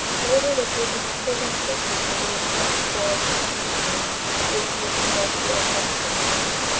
Labor was given representation on the important boards and commissions dealing with industrial questions.